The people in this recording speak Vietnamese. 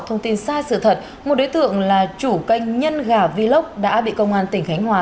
thông tin sai sự thật một đối tượng là chủ kênh nhân gà vlog đã bị công an tỉnh khánh hòa